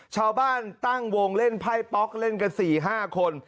ชาวบ้านตั้งวงเล่นไพ่ป๊อกเล่นกัน๔๕คน